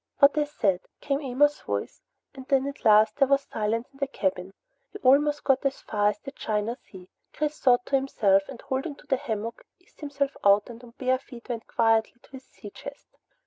"What I said," came Amos's voice, and then at last there was silence in the cabin. He almost got as far as the China Sea! Chris thought to himself, and holding to the hammock, eased himself out and on bare feet went quietly to his sea chest.